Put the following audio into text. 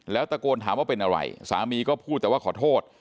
แล้วตะโกนถามว่าเป็นอะไรสามีก็พูดแต่ว่าขอโทษ